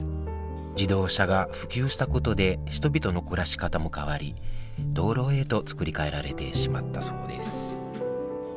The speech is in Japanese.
自動車が普及したことで人々の暮らし方も変わり道路へと造り替えられてしまったそうです